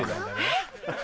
えっ